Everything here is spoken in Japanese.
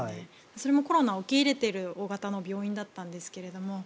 それもコロナを受け入れている大型の病院だったんですが。